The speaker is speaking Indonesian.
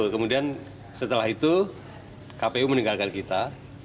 kemudian setelah itu kpu meninggalkan kita